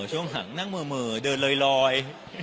ช่วงห่างนั่งเหม่อเดินลอย